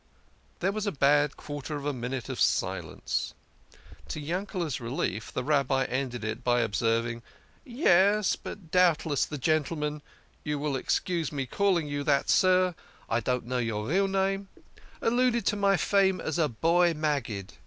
There was a bad quarter of a minute of silence. To Yankele's relief, the Rabbi ended it by observing, " Yes, but doubtless the gentleman (you will excuse me calling you that, sir, I don't know your real name) alluded to my fame as a boy Maggid.